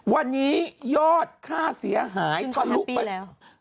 วันนี้ยอดค่าเสียหายถลุกไป